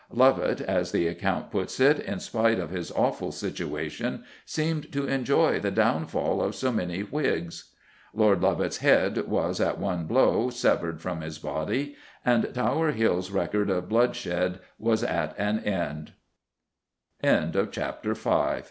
"Lovat," as the account puts it, "in spite of his awful situation, seemed to enjoy the downfall of so many Whigs." Lord Lovat's head was, at one blow, severed from his body, and Tower Hill's record of bloodsh